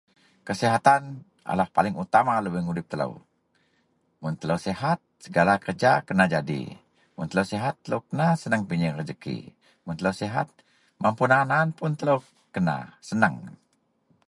Kesihatan adalah paling utama lubieng udip telou. Mun telou sihat segala kerja kena jadi. Mun telou sihat telou kena seneng pinyieng rejeki. Mun telou sihat mapun aan- aan puun telou kena. Seneng.